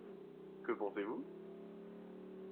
Que pensez-vous ?